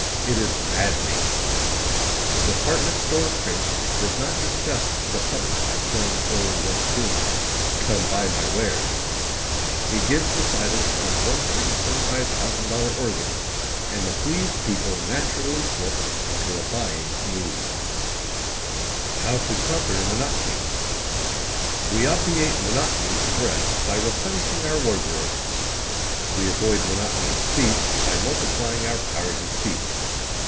It is maddening. The department store prince does not disgust the public by playing only the one tune, "Come Buy My Wares!" He gives recitals on a $125,000 organ, and the pleased people naturally slip into a buying mood. How to Conquer Monotony We obviate monotony in dress by replenishing our wardrobes. We avoid monotony in speech by multiplying our powers of speech.